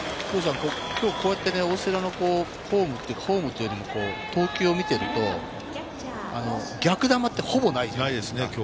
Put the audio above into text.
こうやって大瀬良のフォーム、投球を見てると、逆球ってほぼないじゃないですか。